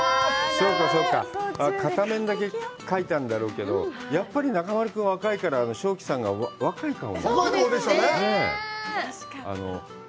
そうかそうか、片面だけ描いたんだろうけどやっぱり中丸君は若いから鍾馗さんが若い顔になるね。